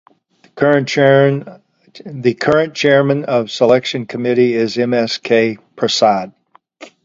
The current chairman of selection committee is M. S. K. Prasad.